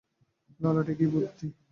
ললাটে কী বুদ্ধি!